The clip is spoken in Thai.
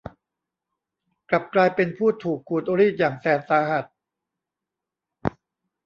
กลับกลายเป็นผู้ถูกขูดรีดอย่างแสนสาหัส